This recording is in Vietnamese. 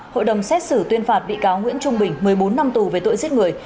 hội đồng xét xử tuyên phạt bị cáo nguyễn trung bình một mươi bốn năm tù về tội giết người